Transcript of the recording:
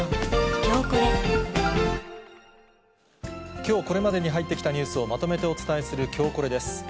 きょうこれまでに入ってきたニュースをまとめてお伝えするきょうコレです。